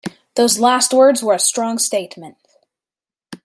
Those last words were a strong statement.